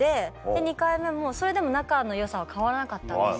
２回目もそれでも仲のよさは変わらなかったんですよ。